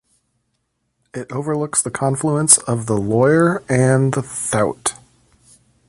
It overlooks the confluence of the Loire and the Thouet.